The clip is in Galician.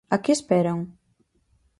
¿A que esperan?